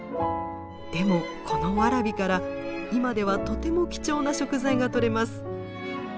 でもこのワラビから今ではとても貴重な食材がとれます。